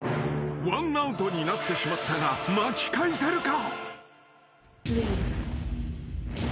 ［ワンアウトになってしまったが巻き返せるか？］